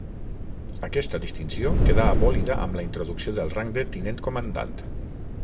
Aquesta distinció quedà abolida amb la introducció del rang de Tinent-Comandant.